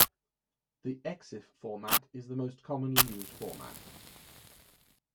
The Exif format is the most commonly used format.